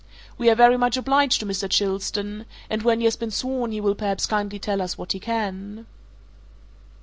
We are very much obliged to Mr. Chilstone and when he has been sworn he will perhaps kindly tell us what he can."